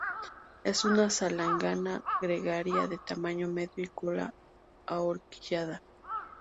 Es una salangana gregaria de tamaño medio y cola ahorquillada.